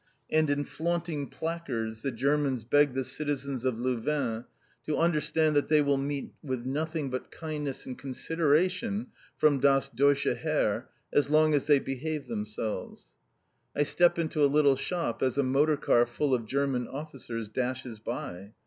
And in flaunting placards the Germans beg the citizens of Louvain to understand that they will meet with nothing but kindness and consideration from Das Deutsche Heer, as long as they behave themselves. I step into a little shop as a motor car full of German officers dashes by.